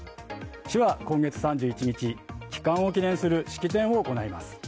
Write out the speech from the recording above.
市は今月３１日帰還を記念する式典を行います。